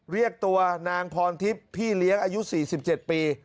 เรียกตัวนางพรทิพย์พี่เลี้ยงอายุ๔๗ปี